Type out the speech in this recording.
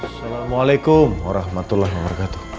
assalamualaikum warahmatullahi wabarakatuh